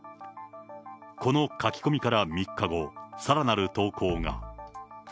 この書き込みから３日後、さらなる投稿が。